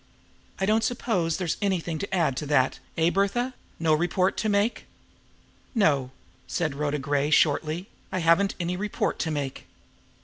I don't suppose there's anything to add to that, eh, Bertha? No report to make?" "No," said Rhoda Gray shortly. "I haven't any report to make."